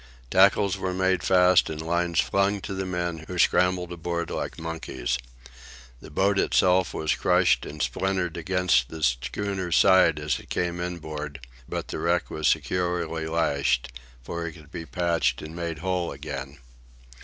Tackles were made fast and lines flung to the men, who scrambled aboard like monkeys. The boat itself was crushed and splintered against the schooner's side as it came inboard; but the wreck was securely lashed, for it could be patched and made whole again.